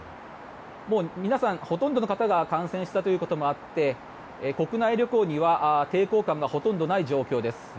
もう皆さん、ほとんどの方が感染したということもあって国内旅行には抵抗感がほとんどない状況です。